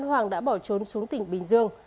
hoàng đã bỏ trốn xuống tỉnh bình dương